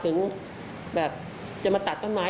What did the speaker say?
สวัสดีคุณผู้ชายสวัสดีคุณผู้ชาย